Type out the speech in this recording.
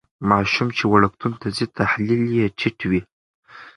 ماشوم چې وړکتون ته ځي تحلیل یې ټیټ وي.